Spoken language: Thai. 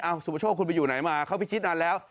สุประโชคคุณไปอยู่ไหนมาเขาพิชิตนานแล้ว